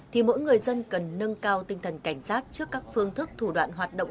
thì mỗi người dân cần nâng cao tinh thần cảnh giác trước các phương thức thủ đoạn hoạt động